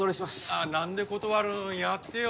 あっ何で断るんやってよ